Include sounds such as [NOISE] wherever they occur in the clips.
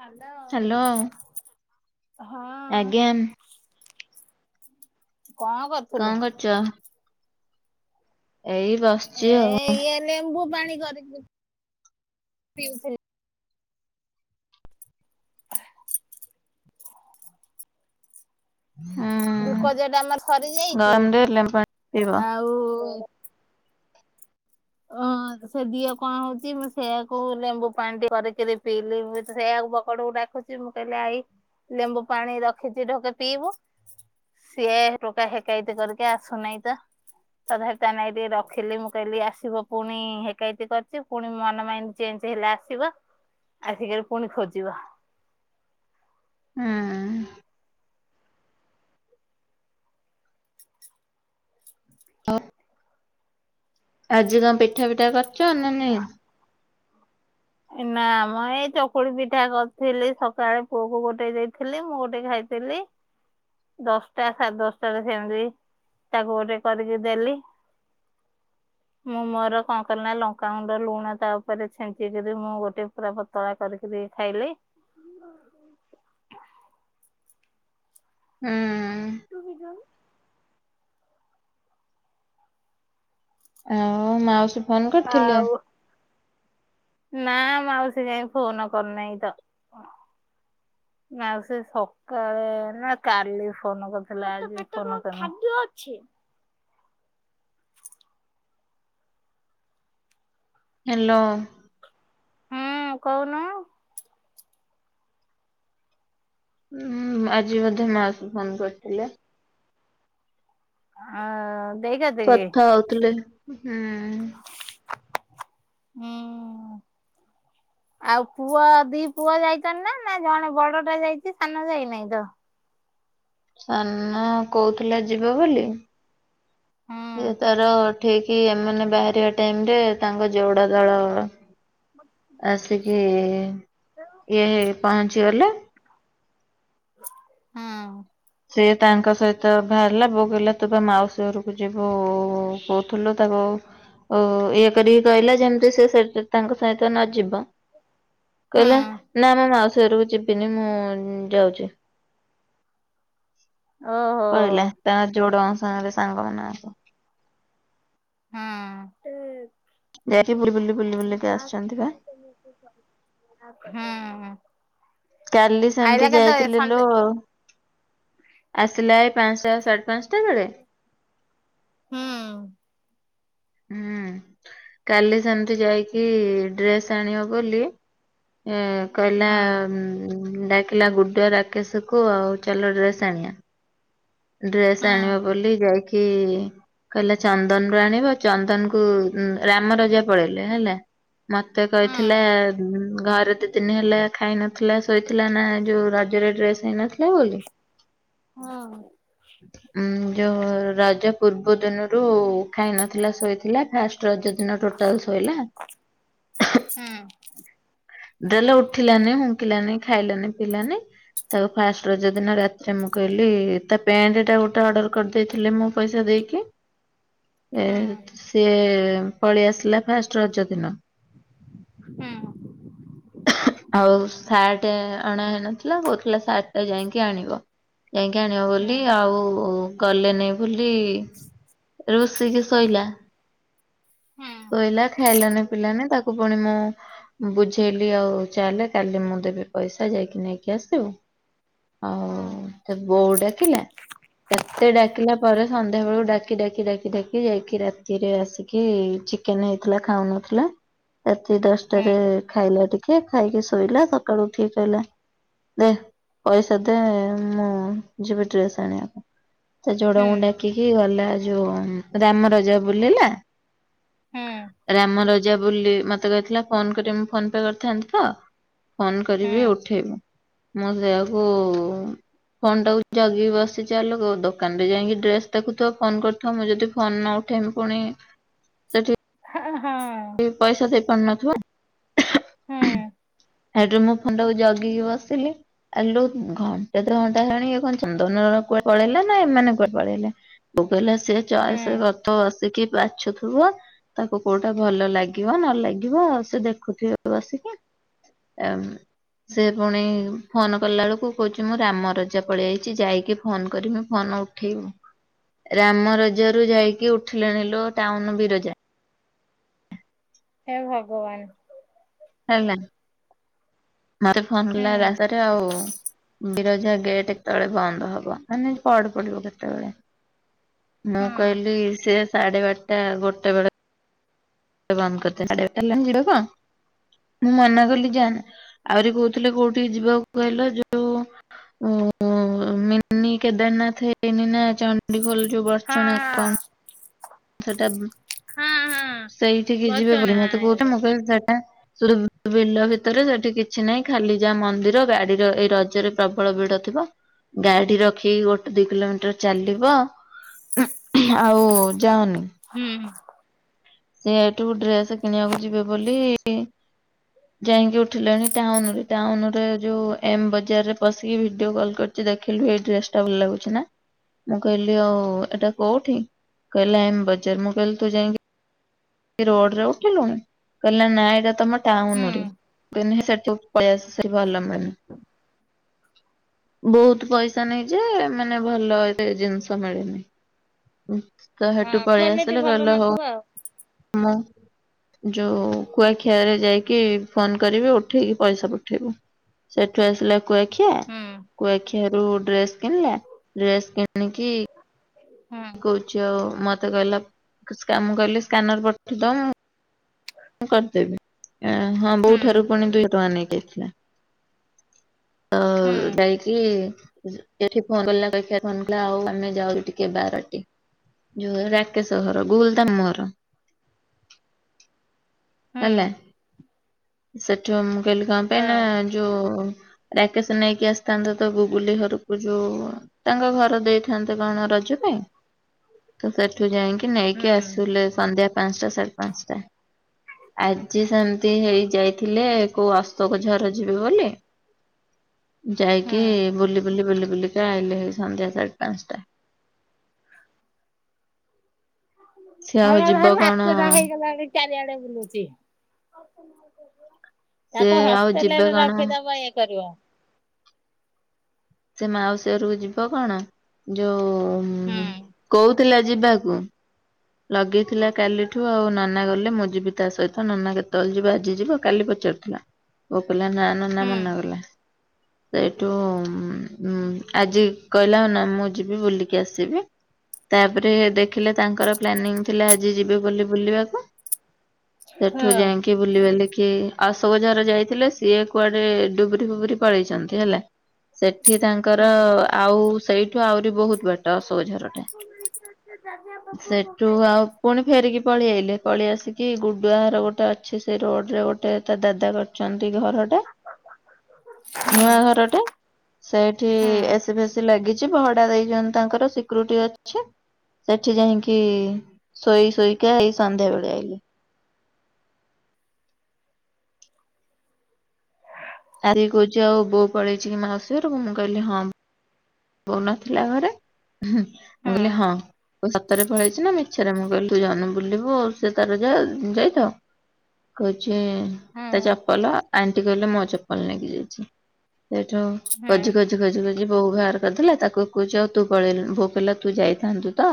Hello ହଁ। ଆଜ୍ଞା କଣ କରୁ କଣ କରୁଛ? ଏଇ ବସିଛି ଏ ଆଉ। ଇଏ ଲେମ୍ବୁ ପାଣି କରିକି, ପିଉଥିଲି। [INAUDIBLE] ହଁ। ଗ୍ଲୁକୋଜ୍ ଟା ଆମର ସରି ଯାଇଛି। ଲେମ୍ବୁ ପାଣି ପିଇବ। ଆଉ ଅ [INAUDIBLE] ସେ ଦିହ କଣ ହଉଛି, ମୁଁ ସେଇଆକୁ ଲେମ୍ବୁ ପାଣି ଟିକେ କରିକି ପିଇଲେ, ମୁଁ ସେଇଆକୁ ବକଡ଼କୁ ଡାକୁଛି ମୁଁ କହିଲି ଆଇ, ଲେମ୍ବୁ ପାଣି ରଖିଛି ଢୋକେ ପିଇବୁ। ସିଏ ଟୋକା ହେକାଇତି କରିକି ଆସୁନାହିଁ ପା। ତଥାପି ତା ନାଗି ଟିକେ ରଖିଲି ମୁଁ, କହିଲି ଆସ ବ ପୁଣି ହେକାଇତୀ କରିଛି, ପୁଣି ମନ ମାଇଣ୍ଡ ଚେଞ୍ଜ ହେଲେ ଆସିବ। ଆସିକି ଏୟୀ ପୁଣି ଖୋଜିବ। ହୁଁ। ହ। ଆଜି କଣ ପିଠା ପିଠା କରିଛ ନା ନାଇଁ? ଏ ନା ମୁଁ ଏଇ ଚକୁଳି ପିଠା କରିଥିଲି, ସକାଳେ ପୁଅ କୁ ଗୋଟେ ଦେଇଥିଲି ମୁଁ ଗୋଟେ ଖାଇ ଦେଲି। ଦଶଟା ସାଢ଼େ ଦଶଟା ରେ ସେମିତି ତାକୁ ଗୋଟେ କରିକି ଦେଲି। ମୁଁ ମୋର କଣ କଲି ନା ଲଙ୍କାଗୁଣ୍ଡ ଲୁଣ ତା ଉପରେ ଛିନ୍ ଞ୍ଚିକିରି ମୁଁ ଗୋଟେ ପୁରା ପତଳା କରିକୀରି ଖାଇଲି। [UNINTELLIGIBLE] ହୁଁ। ତୁ ବି ଯାଉନୁ। ଆଉ ମାଉସୀ ଫୋନ କରିଥିଲେ? ଆଉ ନା ମାଉସୀ କାଇଁ ଫୋନ କରିନେଇ ତ। ନାଉ ସେ ସକାଳେ ନା କାଲି ଫୋନ କରିଥିଲା ଆଜି ଫୋନ କରିନି ହାଲୋ। ହଁ କଉନୁ। ଉଁ ଆଜି ମଧ୍ୟ ମାଉସୀ ଫୋନ୍ କରିଥିଲେ। ଆଉ [UNINTELLIGIBLE] ଦେଖ୍ କଥା ହଉଥିଲେ ହୁଁ ହୁଁ। ଆଉ ପୁଅ ଦି ପୁଅ ଯାଇଚନ୍ତି ନା, ନା ଜଣେ ବଡ ଟା ଯାଇଛି ସାନ ଯାଇନାହିଁ ତ ସାନ କହୁଥିଲା ଯିବ ବୋଲି ହୁଁ ସିଏ ତାର ଠିକ୍ ଏମାନେ ବାହାରିବା ଟାଇମ ରେ ତାଙ୍କ ଯୋଡ ଦଳ ଆସିକି ଇଏ ପହଞ୍ଚିଗଲେ ହୁଁ। ସେ ତାଙ୍କ ସହିତ ବାହାରିଲା, ବୋଉ କଇଲା ତୁ ତ ମାଉସୀ ଘରକୁ ଯିବୁ କହୁଥିଲୁ ତାକୁ ଓ ଇଏ କରିକି କହିଲା ଯେମିତି ସେ ସି ତାଙ୍କ ସହିତ ନ ଯିବ ହୁଁ କହିଲା ନା ମୁଁ ମାଉସରକୁ ଯିବିନି ମୁଁ ଯାଉଛି। ଓହୋ। କହିଲା ତା ଯୋଡଙ୍କ ସାଙ୍ଗରେ ସାଙ୍ଗ ନ [UNINTELLIGIBLE] ହବାକୁ ହଁ। ଯାଇକି ବୁ ବୁ ବୁଲି ବୁଲିକି ଆସୁଚନ୍ତି ବା। [UNINTELLIGIBLE] ହଁ। ଚାଲି ସେମିତି ଯାଇଥିଲେ ଲୁ ସନ୍ଧ୍ୟା ଆସିଲା ଏଇ ପାଞ୍ଚଟା ସାଢ଼େ ପାଞ୍ଚଟା ବେଳେ? ହୁଁ। ହୁଁ କାଲି ସେମିତି ଯାଇକି ଡ୍ରେସ ଆଣିବ ବୋଲି ଏ କହିଲା ହୁଁ ଡାକିଲା ଗୁଡେ ରାକେଶକୁୁ ଆଉ ଚାଲ ଡ୍ରେସ୍ ଆଣିବା ଡ୍ରେସ୍ ହୁଁ ଆଣିବା ବୋଲି ଯାଇକି କହିଲା ଚନ୍ଦନରୁ ଆଣିବ ଚନ୍ଦନକୁ ରାମ ରଜା ପଳେଇଲେ ହେଲା ମତେ ହୁଁ କହିଥିଲା ଘରେ ଥି ଦିନ ହେଲା ଖାଇ ନଥିଲା ଶୋଇଥିଲା ନା ଯୋଉ ରଜରେ ଡ୍ରେସ୍ ହେଇନଥିଲା ବୋଲି ହଁ। ଉ ଯୋଉ ରାଜ ପୂର୍ବ ଦିନରୁ ଖାଇ ନଥିଲା ଶୋଇଥିଲା ଫାଷ୍ଟ ରଜ ଦିନ ଟୋଟାଲ ଶୋଇଲା ହୁଁ। ଦେଲେ ଉଠିଲାନି ହୁଙ୍କିଲାନି ଖାଇଲାନି ପିିଇଲାନି। ତାକୁ ଫାଷ୍ଟ ରଜ ଦିନ ରାତିରେ ମୁଁ କହିଲି-ଇ-ଇ ତା ପ୍ୟାଣ୍ଟ ଟା ଗୋଟେ ଅର୍ଡର କରିଦେଇଥିଲି ମୁଁ ପଇସା ଦେଇକି। ହୁଁ ହୁଁ ହୁଁ ହୁଁ ଏ-ଏ-ଏ ସିଏ-ଏ-ଏ ପଳେଇ ଆସିଲା ଫାଷ୍ଟ ରଜ ଦିନ। ହୁଁ। ଆଉ ସାର୍ଟେ ଅଣା ହେଇନଥିଲା କହୁଥିଲା ସାର୍ଟ ଟା ଯାଇକି ଆଣିବ। ଯାଇକି ଆଣିବ ବୋଲି ଆଉ-ଉ-ଉ-ଉ କଲେନି ବୋଲି-ଇ-ଇ-ଇ ରୁଷିକି ଶୋଇଲା। ହଁ ଶୋଇଲା ଖାଇଲାନି ପିଇଲାନି ତାକୁ ପୁଣି ମୁଁ ବୁଝେଇଲି ଆଉ ଚାଲେ କାଲି ମୁଁ ଦେବି ପଇସା ଯାଇକି ନେଇକି ଆସିବୁ। ଅ ହଉ ବୋଉ ଡାକିଲା। କେତେ ଡାକିଲା ପରେ ସନ୍ଧ୍ୟା ବେଳକୁ ଡାକି ଡାକି ଡାକି ଡାକି ଯାଇକି ରାତିରେ ଆସିକି-ଇ-ଇ ଚିକେନ ହେଇଥିଲା ଖାଉନଥିଲା ରାତି ଦଶଟାରେ ଖାଇଲା ଟି କେ ଖାଇକି ଶୋଇଲା ସକାଳୁ ଉଠିକି କହିଲା ଦେ ପଇସା ଦେ-ଏ-ଏ-ଏ ମୁଁ ଯିବି ଟ୍ରେସ୍ ଆଣିବାକୁ। ତା ଜଡଙ୍କୁ ଡାକିକି ଗଲା ଯୋଉ ରାମ ରଜା ବୁଲିଲା ହଁ ରାମ ରଜା ବୋଲି ମତେ କହିଥିଲା ଫୋନ କରିବ ମୁଁ ଫୋନ ପେ କରିଥାନ୍ତି ତ ଫୋନ କରିବି ଉଠେଇବୁ ମୁଁ ସେଇଆ କୁ-ଉ-ଉ ଫୋନ୍ ଟାକୁ ଜଗି ବସିଚି ଆଲୋ ଅ-ଅ ଦୋକାନବି ଯାଇକି ଡ୍ରେସ ଦେଖୁଥିବ ଫୋନ କରୁଥିବ ମୁଁ ଯଦି ଫୋନ ନ ଉ ଠେଇବମି ପୁଣି ସେଠି ଆ-ଆ ହା। କି ପଇସା ଦେଇ ପାରୁ ନ ଥିବ। ହୁଁ ସେଇଠୁ ମୁଁ ଫୋନ୍ ଟାକୁ ଜଗିକି ବସିଲି। ଆ ଲୋ ଘଣ୍ଟେ ଦୁ ଘଣ୍ଟା ହେଲାଣି ଏ କଣ ଚନ୍ଦନର କୁଆଡ଼େ ପଳେଇଲା ନା ଏମାନେ କୁଆଡ଼େ ପଳେଇଲା। ବୋଉ କହିଲା ସେ ଚଏସ ରଥ ଆସିକି ବାଛୁଥିବ ତାକୁ କୋଉଟା ଭଲ ଲାଗିବ ନ ଲାଗିବ ସେ ଦେଖୁଥିବ ବସିକି ଏମ୍ ସେ ପୁଣି ଫୋନ କଲା ବେଳକୁ କହୁଛି ମୁଁ ରାମ ରଜା ପଳେଇ ଆଇଛି ଯାଇକି ଫୋନ କରିମି ଫୋନ ଉ ଉଠେଇବୁ ରାମ ରଜା ରୁ ଯାଇକି ଉଠିଲେଣି ଲୋ ଟାଉନ ବିରଜା। ହେ ଭଗବାନ। ହେଲା ମତେ ଫୋନ ହୁଁ କଲା ରସ୍ତାରେ ଆଉ-ଉ ବିରଜା ଗେଟ୍ କେତେବେଳେ ବନ୍ଦ ହବ, ମାନେ ପହଡ଼ ପଡିବ କେତେବେଳେ। ମୁଁ ହୁଁ ହଁ କହିଲି ସେ ସାଢ଼େ ବାରଟା ଗୋଟେ ବେଳେ। ବନ୍ଦ କରିଦେ [UNINTELLIGIBLE] ଭିଡ଼ ତ। ମୁଁ ମନା କଲି ଯା ନା ଆହୁରି କହୁଥିଲେ କୋଉଠି ଯିବାକୁ କହିଲ ଯୋଉ-ଉ-ଉ ଓ ହୋ ମିିନି କେଦାରନାଥ ହେଇନି ନା ଚଣ୍ଡିଖୋଲ ଯୋଉ ହଁ ବଡ଼ଚଣା କ-କ ସେଟା ହଁ ହଁ ସେଇଠିକି ଯିବେ ବୋଲି ମତେ କହୁଛି ମୁଁ ବର୍ଚଣା କହିଲି ସେଟା ରୁ ବିଲ ଭିତରେ ସେଠି କିଛି ନାହିଁ ଖାଲି ଯାହା ମନ୍ଦିର ଗାଡି଼ର ଏଇ ରଜରେ ପ୍ରବଳ ଭିଡ଼ ଥିବ। ଗାଡି଼ ରଖିକି ଗୋଟେ ଦିଇ କିଲୋମିଟର ଚାଲିବ ଆଉ-ଉ-ଉ ଯାଅନି। ହୁଁ। ସେ ହେଠୁ ଡ୍ରେସ୍ କିଣିବାକୁ ଯିବେ ବୋଲି-ଇ-ଇ ଯାଇକି ଉଠିଲେଣି ଟାଉନ ରେ ଟାଉନରେ ଯୋଉ ଏମ ବଜାର ରେ ପଶିକି ଭିଡିଓ କଲ୍ କରି ଯେ ଦେଖିଲୁ ଏଇ ଡ୍ରେସ ଟା ଭଲ ଲାଗୁଛି ନା। ମୁଁ କହିଲି ଆଉ ଏଟା କୋଉଠି କହିଲେ ଏମ ବଜାର ମୁଁ କହିଲି ତୁ ଯାଇକି ରୋଡ଼ରେ ଉଠିଲୁଣି କହିଲା ନା ଏଇଟା ତମ ହୁଁ ଟାଉନରେ [UNINTELLIGIBLE] ସେଠୁ ପଳେଇ ଆସିଚି ଗଲାମାନେ ବହୁତ ପଇସା ନେଇଯାଏ ମାନେ ଭଲ ଏ ଜିନିଷ ମିଳେନି। ହଁ କାହାଠୁ ପଳେଇ କ୍ଵାଲିଟି ଆସିଲେ ଭଲ କହିଲେ ନଥିବ ହଉ ଆଉ ଆମ ଯୋଉ କୁଆଖିଆରେ ଯାଇକି ଫୋନ କରିବି ଉଠେଇକି ପଇସା ପଠେଇବୁ। ସେଠୁ ଆସିଲା କୁଆଖିଆ କୁଆଖିଆରୁ ଡ୍ରେସ କିଣିଲା। ଡ୍ରେସ୍ କିଣିକି ହୁଁ କହୁଛି ଆଉ ମତେ କହିଲା ମୁ କହିଲି ସ୍କାନର ପଠେଇଦ ମୁଁ କରିଦେବି ଆ ହଁ ହୁଁ ବୋଉଠାରୁ ପୁଣି ଦୁଇ ଟଙ୍କା ନେଇକିଆଇଥିଲା। ଆ ହୁଁ ଯାଇକି ସେଠି ଫୋନ କ ଫୋନ କଲା ଆଉ ଆମେ ଯାଉଛୁ ଟିକେ ବାର ଯୋଉ ରାକେଶ ଘର ଗୁଗୁଲ ତା ମାମୁ ଘର। ହୁଁ ହେଲା ସେଠୁ ମୁ କହିଲି କଣ ହୁଁ ପାଇଁ ହଁ ନା ଯୋଉ ରାକେଶ ନେଇକି ଆସିଥାନ୍ତା ତ ଗୁଗୁଲି ଘରକୁ ଯୋଉ ତାଙ୍କ ଘର ଦେଇ ଥାନ୍ତେ କଣ ରଜ ପାଇଁ ତ ସେଠୁ ଯାଇକି ହୁଁ ନେଇକି ଆସିଲେ ସନ୍ଧ୍ୟା ପାଞ୍ଚଟା ସାଢେ ପାଞ୍ଚଟା। ଆଜି ସେମତି ହେଇ ଯାଇଥିଲେ କୋଉ ଅଶୋକଝର ଯିବେ ବୋଲି ଯାଇକି ହୁଁ ବୁଲି ବୁଲି ବୁଲି ବୁଲିକା ଆଇଲେ ସନ୍ଧ୍ୟା ସାଢ଼େ ପାଞ୍ଚଟା। ସିଏ ହଁ ଆଉ ଭ ଯିବ କଣ ଭାତଟା ହେଇଗଲାଣି ଚାରିଆଡେ ବୁଲୁଛି। ସେ ତାକୁ ଆଉ ହଷ୍ଟେଲ ଯିବେ ରେ କଣ ରଖିଦବ ଇଏ କରିବ। ସେ ମାଉସୀ ଘରକୁ ଯିବ କଣ ଯୋଉ ହୁଁ କହୁଥିଲା ଯିବାକୁ। ଲଗେଇଥିଲା କାଲିଠୁ ଆଉ ନାନା ଗଲେ ମୁଁ ଯିବି ତା ସହିତ। ତ ନନା କେତେବେଳେ ଯିବ ଆଜି ଯିବ କାଲି ପଚାରୁଥିଲା ବୋଉ କହିଲା ନା ନନା ହୁଁ ମନା କଲା। ସେଇଠୁ ଆଜି କହିଲା ନା ମୁଁ ଯିବି ବୁଲିକି ଆସିବି। ତାପରେ ଦେଖିଲ ତାଙ୍କର ପ୍ଲାନିଂ ଥିଲା। ଆଜି ଯିବି ବୋଲି ବୁଲିବାକୁ ହଁ ସେଠୁ ଯାଇକି କିଏ ବୁଲିବା ଲେ କି ଆଶୋକଝର ଯାଇଥିଲେ ସିଏ କୁଆଡେ ଡୁବରି ଫୁବୁରି ପଳେଇଛନ୍ତି ହେଲା। ସେଠି ତାଙ୍କର ହୁଁ ଆଉ ସେଇଠୁ ଆହୁରି ବହୁତ ବାଟ ଅଶୋକଝର ଟା। ସେ ଜଖ? ତୁ ଆଉ ପୁଣି ଫେରିକି ପଳେଇଆଇଲେ ପଳେଇ ଆସିକି ଗୁଡୁଆ ଘର ଗୋଟେ ଅଛି ସେ ରୋଡ ରେ ଗୋଟେ ତା ଦାଦା ଛନ୍ତି ଘରଟା ହୁଁ ନୂଆ ଘରଟା ସେଇଠି ହୁଁ ହଁ ଏସି ଫେଶି ଲାଗିଛି ଭଡା ଦେଇଛନ୍ତି ତାଙ୍କର ସିକ୍ୟୁରିଟି ଅଛି। ସେଠି ଯାଇକି ଶୋଇ ଶୋଇକ ଏଇ ସନ୍ଧ୍ୟା ବେଳେ ଆଇଲେ। ତାରି କହୁଛି ଆଉ ବୋଉ ପଳେଇଛି କି ମାସ ମୁଁ କହିଲି ହଁ। ବୋଉ ନଥିଲା ଘରେ ମୁଁ କହିଲି ହଁ ସତରେ ପଳେଇଛି ନା ମିଛ ସେଟା ମୁଁ କହିଲି ତୁ ଯାଉନୁ ବୁଲିବୁ ସେ ତାର ଯା ଯାଇଥାଉ। କହୁଛି ହଁ ତା ଚପଲ ଆଣ୍ଟି କହିଲେ ମୋ ଚପଲ ନେଇକି ଯାଇଛି। ସେଇଠୁ ହଁ ଖୋଜି ଖୋଜି ଖୋଜି ଖୋଜି ବୋଉ ବାହାର ଧରିଥିଲା ତାକୁ କହଚି ଆଉ ତୁ ପାଲେଇଲୁନି ବୋଉ କହିଲା ତୁ ଯାଇଥାନ୍ତୁ ତ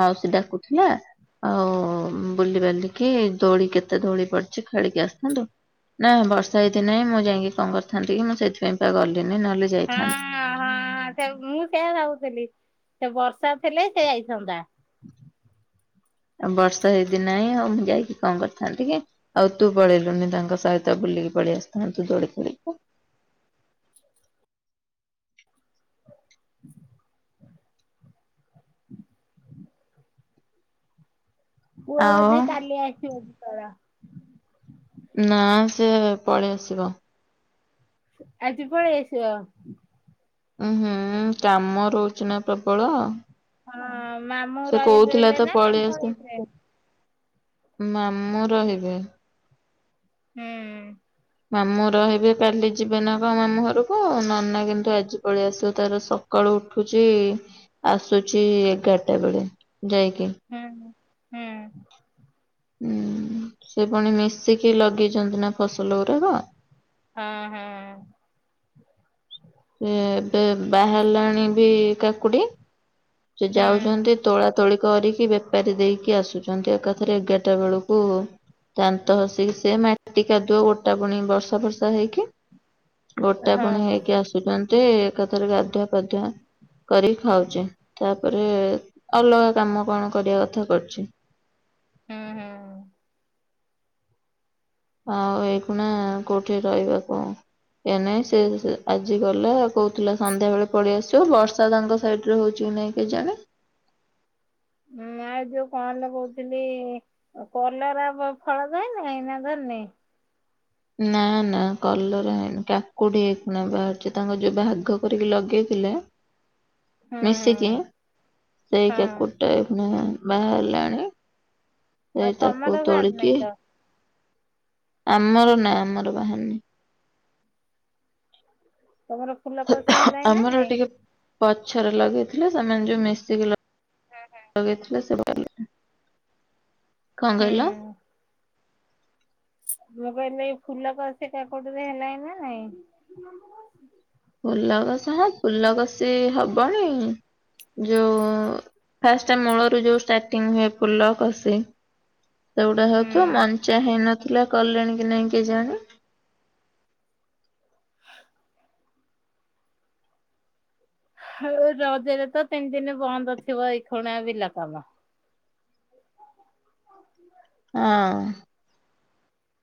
ମାଉସି ଡାକୁଥିଲା। ଆଉ ବୁଲି ପାରିଲିକି ଦୋଳି କେତେ ଦୋଳି ପଡିଛି ଖେଳିକି ଆସିଥାନ୍ତୁ। ନା ବର୍ଷା ଏଇଠି ନାଇଁ ମୁଁ ଯାଇକି କଣ କରିଥାନ୍ତି କି ମୁଁ ସେଥିପାଇଁ ପା ଗଲିନି ନହେଲେ ଯାଇଥାନ୍ନ୍ତି। ହଁ ସେ ମୁଁ ସେଇଆ ଭାବୁଥେଲୀ ସେ ବର୍ଷା ଥିଲେ ସେ ଯାଇଥାନ୍ତା। ଆଉ ବର୍ଷା ହେଇଦିି ନାହିଁ ଆଉ ମୁଁ ଯାଇକି କଣ କରିଥାନ୍ତି କି। ଆଉ ତୁ ପଳେଇଲୁନି ତାଙ୍କ ସହିତ ବୁଲିକି ପଳେଇଆସିଥାନ୍ତୁ ଦୋଳି ଖେଳିକି। ପୁଅ ଆଉ ବୋଧେ କାଲି କାଲି ଆସିବ କି କଣ। ନା ସେ ପଳେଇ ଆସିବ। ଆଜି ପଳେଇଆସିବ। ଉଁ ହୁଁ କାମ ରହୁଛି ନା ପ୍ରବଳ। ହଁ ମାମୁଁ ସେ କହୁଥିଲା ରହିବେବେ ତ ନା ତା ପଳେଇ ଙ୍କ ଆସି ହେଇଥେ? ମାମୁଁ ରହିବେ। ହୁଁ। ମାମୁଁ ରହିବେ କାଲି ଯିବେ ନା କଣ ମାମୁଁ ଘରକୁ ଆଉ ନନା କିନ୍ତୁ ଆଜି ପଳେଇ ଆସିବ ତାର ସ ସକାଳୁ ଉଠୁଛି ଆସୁଛି ଏଗାରଟା ବେଳେ ଯାଇକି। ହୁଁ। ହୁଁ ହୁଁ ସେ ପୁଣି ମିଶିକି ଲଗେଇଛନ୍ତି ନା ଫସଲ ଗୁରାକ। ହଁ ହଁ। ସେ ଏବେ ବାହାରିଲାଣି ବି କାକୁଡି ସେ ଯାଉଚନ୍ତି। ହୁଁ ତୋଳା ତୋଳି କରିକି ବେପାରୀ ଦେଇକି ଆସୁଛନ୍ତି ଏକାଥରେ ଏଗାରଟା ବେଳକୁ। ଦାନ୍ତ ଘସିକି ସେ ମାଟି କାଦୁଅ ଗୋଟା ପୁଣି ବର୍ଷା ବର୍ଷା ହେଇକି। ଗୋଟେ ହଁ ପୁଣି ହେଇକି ଆସୁଛନ୍ତି ଏକାଥରେ ଗାଧୁଆ ପାଧୁଆ। କରି ଖାଉଛେ ତାପରେ ଅଲଗା କାମ କଣ କରିବା କଥା କରୁଚି। ହୁଁ ହୁଁ। ଆଉ ଏଇକୁଣା କୋଉଠି ରହିବା କ ଏ ନାଇଁ ସେ ଆଜି ଗଲେ କୋଉ ଥିଲା ସନ୍ଧ୍ୟା ବେଳେ ପଳେଇ ଆସିବ ବର୍ଷା ତାଙ୍କ ସାଇଡ୍‌ ରେ ହଉଛି କି ନାଇଁ କେହି ଜାଣେ ହୁଁ ମା ଯୋଉ କଣ ଲଗଉଥିଲି। ଆଉ କଲରା ଫଳ ଧଇଲାଣି ନା ଧରିନେଇ। ନା ନା କଲରା ହେଇନି କାକୁଡି ଏଇନା ବାହାରୁଛି ତାଙ୍କ ଯୋଉ ଭାଗ କରିକି ଲଗେଇଥିଲେ। ହୁଁ ହୁଁ ମିଶିକି ସେଇ ହଁ କାକୁଡ଼ି ଟା ଏଇଖୁନା ବାହାରିଲାଣି ଆଉ ସେଇ ତାକୁ ତମର ଧରିନାହିଁ ତୋଳିକି ତ ଆମର ନା ଆମର ବାହାରିନି। ତମର ଫୁଲ କସି ହେଲାଣି ନା ଆମର ନାଇଁ। ଟିକେ ପଛରେ ଲଗେଇଥିଲେ ସେମାନେ ଯୋଉ ମିଶିକି ଲ ହୁଁ ହୁଁ। ଲଗେଇଥିଲେ ସେ କଣ କହିଲ? ହୁଁ ମୁଁ କହିଲି ଏଇ ଫୁଲ କସି ଟା କାକୁଡ଼ି ରେ ହେଲାଣି ନା ନାଇଁ। ଫୁଲ କସା ହଁ ଫୁଲ କସି ହବଣି ଯୋଉ ଫାଷ୍ଟ ମୂଳରୁ ଯୋଉ ଷ୍ଟାର୍ଟିଙ୍ଗ ହୁଏ ଫୁଲ କଶି ସେଗୁଡା ହଉଥିବ ମ ଚା ହେଇ ନଥିଲା କଲେଣି କି ନହିଁ କେଜାଣି। ହେଁ ରଜରେ ତ ତିନି ଦିନ ବନ୍ଦ ଥିବ ଏଇ ଖଣିଏ ବିଲ କାମ। ଅଁ।